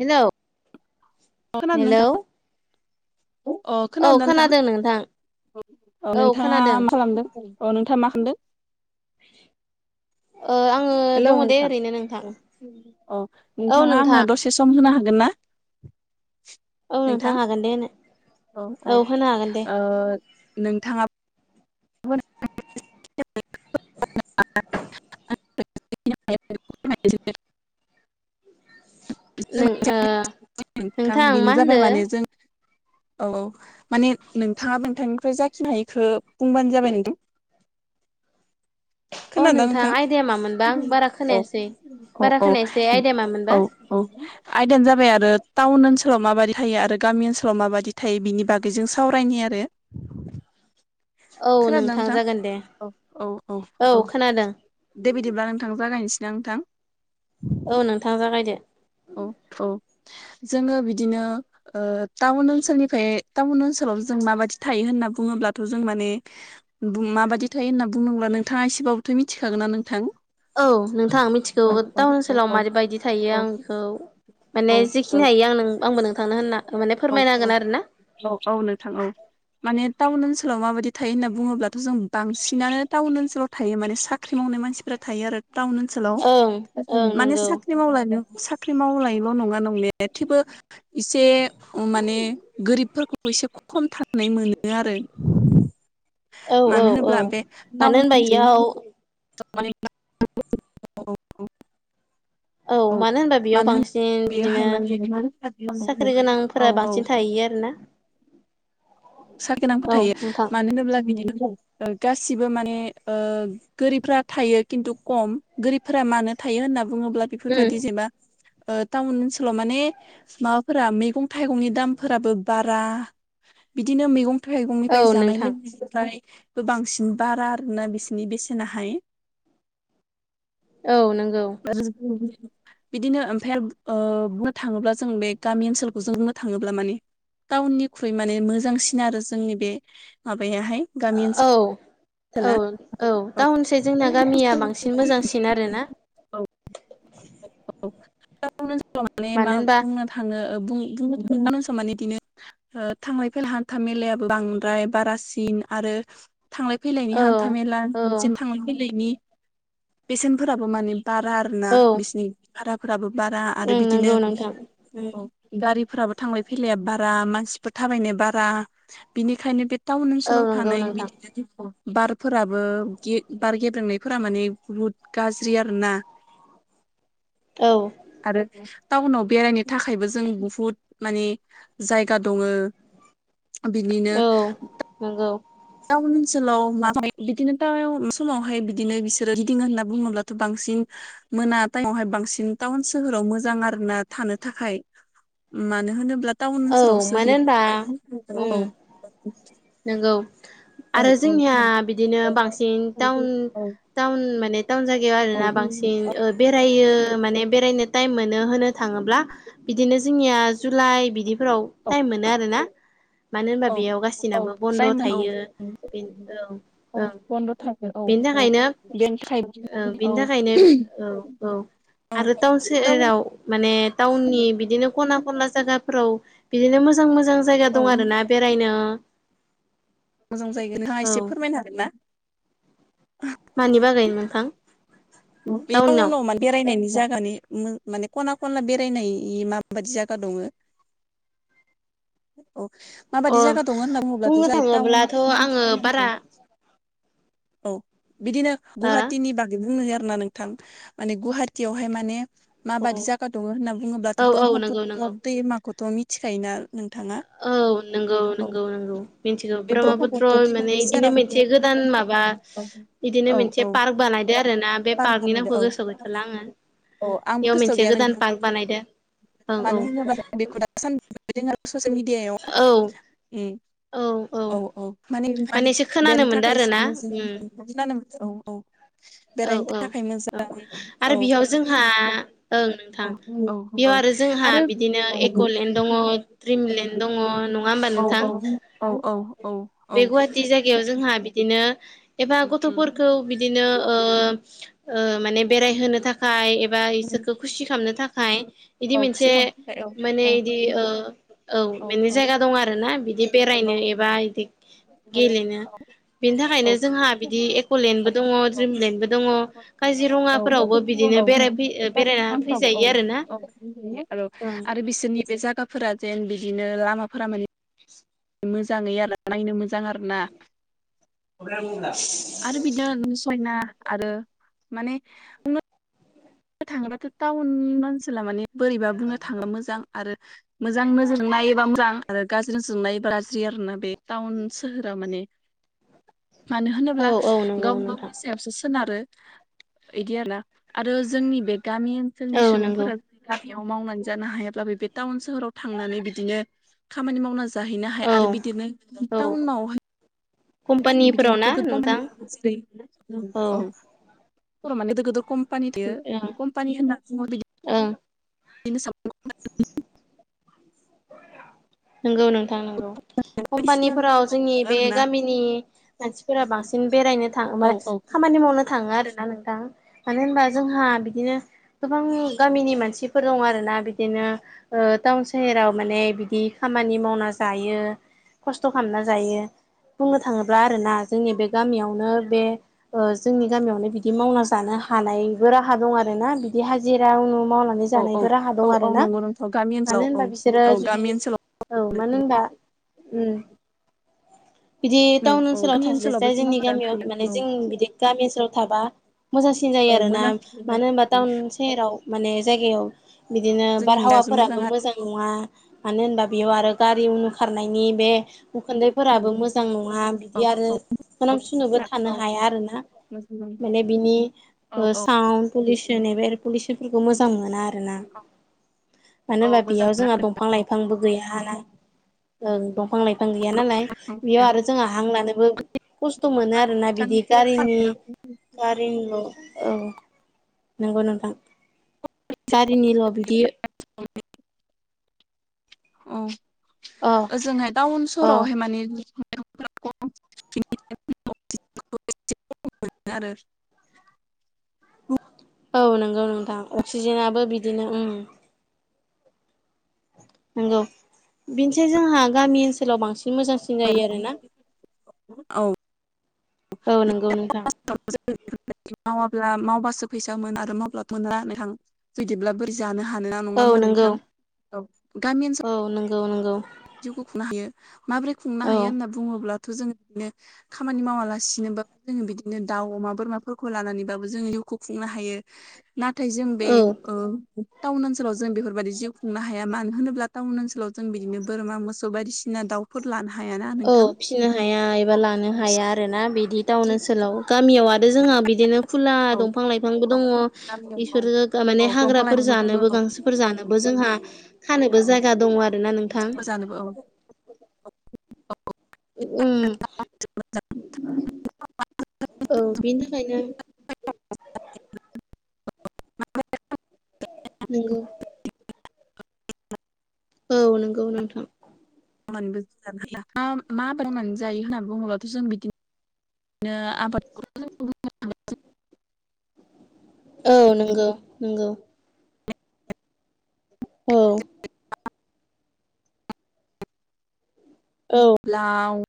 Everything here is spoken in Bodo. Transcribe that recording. हेल' खोनादों नोंथां हेल' अ औ खोनादोंना खोनादों नोंथां अ औ नोंथाङा खोनादों मा खालामदों अ नोंथाङा मा खालामदों? [inaudible] आङो हेलौ दङ' दे नोंथां ओरैनो नोंथां। औ औ औ नोंथाङा आंनो नोंथां। दसे सम होनो हागोन ना औ नोंथां हागोन दे औ औ होनो हागोन दे ओ नोंथाङा [unintelligible] [unintelligible] नों ओ [unintelligible] थां नोंथां मा बेनो जाबाय होनदो माने जों औ औ माने नोंथाङा नोंथांनिफ्राय जाखिनो हायो बिखो बुंबानो जाबाय नोंथां अ खोनादोना नोंथां आयदाया मामोनबा आं बारा औ खोनायासै औ बारा औ खोनायासै आयदाया मामोनबा औ औ आयदानो जाबाय आरो टाउन ओनसोलाव माबादि थायो आरो गामि ओनसोलाव माबायदि थायो बिनि बागै जों सावरायनि आरो [inaudible] औ खोनादोना नोंथां जागोन दे औ औ औ औ दे बिदिब्ला नोंथां जागायसै नां नोंथां औ नोंथाङा जागायदो औ औ जोङो बिदिनो टाउन ओनसोलनिफ्राय टाउन ओनसोलाव जों माबायदि थायो होनना बुङोब्लाथ' जों माने माबायदि थायो होनना बुंदोंब्ला नोंथाङा एसेबाबोथ' मिथिखागोन ना नोंथां औ नोंथां मिथिगौ औ औ टाउन ओनसोलाव औ औ माबै बायदि थायो औ आं बेखौ माने जेखिनि हायो आं आंबो नों थांनो होनना माने औ फोरमायना हागोन आरो ना औ औ नोंथां औ माने टाउन ओनसोलाव माबायदि थायो होनना बुङोब्लाथ' जों बांसिनानो टाउन ओनसोलाव थायो माने साख्रि मावनाय मानसिफोरा थायो आरो टाउन ओनसोलाव ओं ओं माने नंगौ साख्रि मावलाय साख्रि मावलायल' नङा न माने थेवबो एसे माने गोरिबफोरखौ एसे खम थानाय मोनो आरो मानो होनोब्ला बे टाउन ओनसो याव [unintelligible] औ मानो होनबा बेयाव होन बांसिन बिदिनो बेयोहाय माने साख्रि औ गोनांफोरा औ बांसिन थाहैयो आरोोना स गोनांफोर थायो नोंथां मानो होनोब्ला बिनिनाव गासिबो माने गोरिबफ्रा थायो खिन्थु खम गोरिबफोरा मानो थायो होनना बुङोब्ला बेफोरबायदि उम जेनबा टाउन ओनसोलाव माने माबाफोरा मैगं थाइगंनि दामफोराबो बारा बिदिनो मैगं थाइगंनिफ्राय औ जानाय नोंथां लोंनायनि ज बांसिन बारा आरोना बिसिनि बेसेनाहाय औ नंगौ आरो बिदिनो ओमफ्रायाय बुंनो थाङोब्ला जों बे गामि ओनसोलखौ जों बुंनो थाङोब्ला माने टाउननिख्रुइ माने मोजांसिन आरो जोंनि बे माबायाहाय गामि औ ओनसोल औ औ टाउनस जोंना गामिया बांसिन मोजांसिन आरोना औ माने मानो मा होनबा बुंनो थाङो बुं नस माने बिदिनो थांलाय फैलाय हान्था मेलाया बांद्राय बारासिन आरो थांलाय फैलायनि औ हान्था मेला औ जनो थांलाय फैलायनि बेसेनफोराबो माने बारा आरोना बिसनि भाराफोराबो बारा आरो ओं बिदिनो नंगौ नोंथां उम गारिफोराबो थांलाय फैलाया बारा मानसिफोर थाबायनाय बारा बिनिखायनो बे टाउन औ ओनसोलाव नंगौ थानाय नोंथां बिदिनो जेखौ बारफोराबो बार गेब्रेंनायफोरा माने बुहुद गाज्रि आरोोना औ आरो टाउनाव बेरायनो थाखायबो जों बुहुद मानि जायगा दङो बिनिनो नोंगौ टाउन ओनसोलाव माबादि बिदिनो टाउन समावहाय बिदिनो बिसोरो गिदिङो होनना बुङोब्लाथ' बांसिन मोना टाइमावहाय बांसिन टाउन सोहोराव मोजां आरो ना थानो थाखाय मानो होनोब्ला टाउन औ ओनसोलावसो मानो होनबा बेफोरबादि औ नोंगौ औ आरो औ जोंनिआ बिदिनो बांसिन टाउन औ टाउन माने टाउन जायगायाव आरो औ आरोना बांसिन ओ बेरायो माने बेरायनो टाइम मोनो होनो थाङोब्ला बिदिनो जोंनिआ जुलाइ बिदि फोराव टाइम मोनो आरोना मानो होनबा औ बेयाव गासि बन्द' जायमोन औ थायो औ औ बन्द' थागोन औ बेनि औ थाखायनो बेनि थाखाय ओ बिनि औ थाखायनो औ औ औ आरो टाउन सोहोराव औ माने ताउननि बिदिनो खना खना जायगाफोराव बिदिनो मोजां मोजां जायगा औ दं आरोना बेरायनो मोजां जाहैगोन नोंथांआ औ एसे फोरमायनो हागोन ना मानि बागै नोंथां बेनि टाउनाव उनाव माने बेरायनायनि जायगानि मा माने खना खना बेरायनायनि माबा बायदि जायगा दङो [inaudible] औ अ माबादि जागा दङो होनना बुङोब्लाथ' बुंनो जाय टाउन थाङोब्लाथ' आङो बारा औ बिदिनो हा गुवाहाटिनि बागै बुंनो हो होमबा नोंथां माने गुवाहाटिआवहाय माने माबादि औ जागा दङो होनना बुङोब्लाथ' औ नंगौ नंगौ ब्रह्मपुत्र दैमाखौथ' मिथिखायोना नोंथांआ औ नोंगौ नोंगौ नोंगौ मिथिगौ बे ब्रह्मपुत्र माने दैमानि बिदिनो सेराव मोनसे गोदान माबा बिदिनो औ मोनसे औ पार्क बानायदो आरो ना बे पार्क पार्कनि बानायदो नामखौ औ गोसोआव गैथ'ला आङो औ आंबो बेयाव गोसोआव मोनसे गैया गोदान नोंथां पार्क बानायदों ओ मानो औ होनोबा बेखौ दा सानदै नुदों आरो ससियेल औ मिडिआयाव औ औ माने माने एसे खोनानो बेनि मोनदों थाखाय आरो जों ना उम [unintelligible] नोंगौ ना औ औ औ बेरायनो था औ आरो बेहाव जोंहा ओं नोंथां औ औ बेयाव औ आरो जोंहा बिदिनो आरो एक'लेण्ड दङ द्रिमलेण्ड दङ नङा नङा होमबा औ नोंथां औ औ औ औ औ बे गुवाहाटि जायगा जायगायाव जोंहा बिदिनो एबा उम, गथ'फोरखौ बिदिनो ओ ओ माने बेरायहोनो थाखाय एबा इसोखौ उम, खुसि खालामनो थाखाय इदि औ खुसि मोनसे खालामनो थाखाय औ माने औ इदि ओ औ माने जायगा दं आरो ना बिदि बेरायनो एबा इदि औ गेलेनो औ बेनि औ थाखायनो जोंहा बिदि एक'लेेण्डबो दङ द्रिमलेण्डबो दङ काजिरङाफोरावबो बिदिनो बेराय गासिबो बेरायना खामानिफ्राव औ फैजायो आरो ना औ आरो बिसोरनि बे जायगाफोरा जेन बिदिनो लामाफोरा माने मोजाङै आरो नायनो मोजां आरो ना [unintelligible] आरो बिदिनो समायना आरो माने बुंनो थाङोबाथ' टाउन ओनसोला मानि बोरैबा बुंनो थाङोबा मोजां आरो मोजां नोजोरजों नायोबा मोजां आरो गाज्रि जों गाज्रि आरो ना बे टाउन सोहोरा माने मानो औ होनोब्ला औ नंगौ गाव नोंथां गावनि सायावसो सोनारो इदि आरो ना आरो जोंनि बे गामि ओनसोलनि औ नंगौ सुबुंफोरा गामियाव मावनानै जानो हायाब्लाबो बे टाउन सोहोराव थांनानै बिदिनो खामानि मावनानै जाहैनो हायो औ आरो बिदिनो औ टाउनावहाय बिदिनो कम्पानिफोराव ना नोंथां ज औ बर' माने गोदोर गोदोर कम्पानि दो कम्पानि होनना बुङो बिदि ओं बिदिनो स नंगौ नोंथां नंगौ बायदिसिना कम्पानिफोराव जोंनि बे आरोना गामिनि औ मानसिफोरा बांसिन बेरायनो थाङ मा खामानि मावनो थाङो आरोना नोंथां मानो होनबा जोंहा बिदिनो गोबां गामिनि मानसिफोर दं आरोना बिदिनो टाउन सहेराव माने बिदि खामानि मावना जायो खस्थ' खालामना जायो बुंनो थाङोब्ला आरोना जोंनि बे गामियावनो बे जोंनि गामियावनो बिदि मावना जानो हानायबो राहा दं आरो ना बिदि हाजिराु मावना बेनि औ औ जानायनि राहाबो औ दं औ आरो ना नंगौ नोंथां गामि ओनसोलाव औ औ जुदि गामि ओनसोलाव औ मानो होनबा बिदि औ टाउन औ ओनसोलाव गामि ओनसोलावबो थास्लायसाय जों जोंनि मावना जानो गामियाव हायो माने औ जों बिदि गामि ओनसोलाव थाबा मोजांसि एखे औ जायो आरो ना मोजां मानो होनबा टाउन सेराव माने जायगायाव बिदिनो जोंनि मियासो बारहावाफोराबो आरो मोजां नङा मानो होनबा बेयाव आरो गारि उनु खारनायनि बे उखुन्दै फोराबो मोजां नङा औ बिदि औ आरो सानाम मोजां सुनोबो औ थानो हाया आरोना माने बिनि साउन्ड पलिउसन एब पलिउसनफोरखौ मोजां मोना आरोना मानो औ होनबा मोजां बेयाव जोंहा दं बिफां लाइफांबो गैया हाना ओं दंफां लाइफां गैया नालाय बेयाव औ आरो जोंहा हां लानोबो खस्थ' मोनो आरोोना बिदि गारिनि गारिनिल' औ नंगौ नोंथां गारिनिल' बिदि औ अ ओजोंहाय टाउन अ सहरावहाय माने [unintelligible] मोन आरो औ नंगौ नोंथां अक्सिजेनाबो बिदिनो नंगौ बेनिसै जोंहा गामि ओनसोलाव बांसिन मोजांसिन सिं जायो आरो ना औ औ नंगौ नोंथां मावाब्ला मावबासो फैसामोन आरो मावब्लाथ' मोना होननानै थां जुदिब्ला बोरै जानो हानो ना नङा औ होमबा नंगौ नोंथां औ गामि ओनस गावनो गाव जिउखौ खुंनो हायो माबोरै खुंनो हायो होनना बुङोब्लाथ' जोङो बिनो खामानि मावालासिनोबाबो जोङो बिदिनो दाउ अमा बोरमाफोरखौ लानानैबाबो जोङो जिउखौ खुंनो हायो [inaudible] नाथाय जों बे औ टाउन ओनसोलाव जों बेफोरबायाददि जिउ खुंनो हाया मानो होनोब्ला टाउन ओनसोलाव जों बिदिनो बोरमा मोसौ बायदिसिना दाउफोर लानो हायाना औ नोंथां फिनो हाया एबा औ लानो हाया आरोना बिदि टाउन ओनसोलाव गामियाव आरो जोंहा बिदिनो खुला दंफां लाइफांबो औ दङ गामियाव औ बिसोर माने औ दंफां हाग्राफोर लाइफांबो दङ जानोबो औ गांसो फोर जानोबो जोंहा खानोबो जायगा दङ आरोना नों अ जानोबो औ औ बेनि थाखायनो नोंगौ औ नंगौ नोंथां बो जानो हाया मा बार मनानै जायो होनना बुङोब्लाथ' जों बिदिनो बिनो आबादखौ' औ नंगौ नंगौ औ औ। लाव